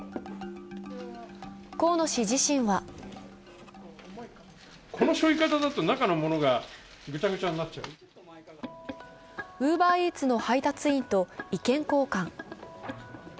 河野氏自身はウーバーイーツの配達員と意見交換。